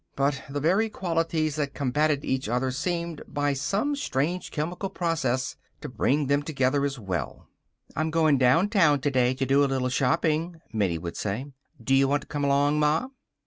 But the very qualities that combated each other seemed, by some strange chemical process, to bring them together as well. "I'm going downtown today to do a little shopping," Minnie would say. "Do you want to come along, Ma?"